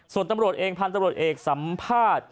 ส่วนตำรวจเองพันธุ์ตำรวจเอกสัมภาษณ์